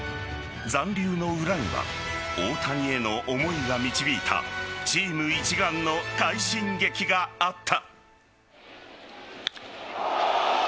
残留の裏には大谷への思いが導いたチーム一丸の快進撃があった。